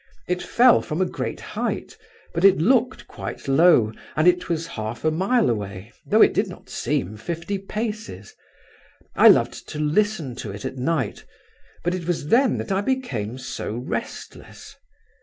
It fell from a great height, but it looked quite low, and it was half a mile away, though it did not seem fifty paces. I loved to listen to it at night, but it was then that I became so restless.